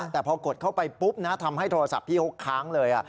แต่พอกดเข้าไปปุ๊บนะทำให้โทรศัพท์พี่เขาค้างเลย